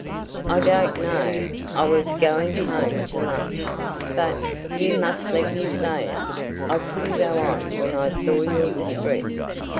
"I don't know. I was going home to lunch. But you must let me say it I couldn't go on when I saw your distress.